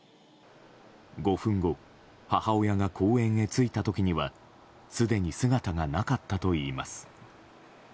５分後母親が公園へ着いた時にはすでに姿がなかったといいます。